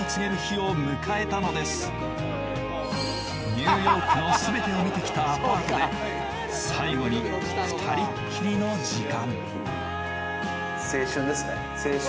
ニューヨークの全てを見てきたアパートで最後に二人きりの時間。